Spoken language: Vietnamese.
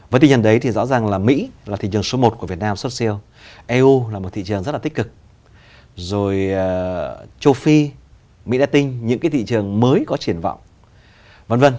với tư nhân đấy thì rõ ràng là mỹ là thị trường số một của việt nam xuất siêu eu là một thị trường rất là tích cực rồi châu phi mỹ la tinh những cái thị trường mới có triển vọng v v